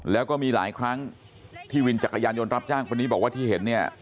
แล้วก็มีหลายครั้งที่วินจักรยานยนต์รับจ้างคนนี้บอกว่าที่เห็นเนี่ย